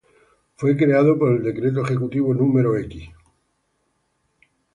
Fue creado por el Decreto Ejecutivo No.